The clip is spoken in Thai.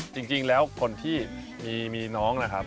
จริงแล้วคนที่มีน้องนะครับ